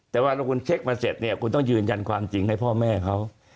แต่ว่าถ้าคุณเช็คมาเสร็จเนี่ยคุณต้องยืนยันความจริงให้พ่อแม่เขา